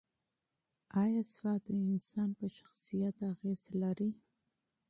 ایا سواد د انسان په شخصیت اغېز لري؟